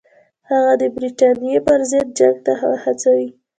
هغه د برټانیې پر ضد جنګ ته وهڅوي.